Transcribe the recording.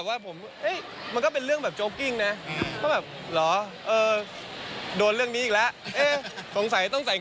คือผมว่าเป็นเพราะว่ากางเกงมันเป็นกางเกงมันด้วย